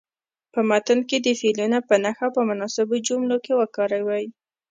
په متن کې دې فعلونه په نښه او په مناسبو جملو کې وکاروئ.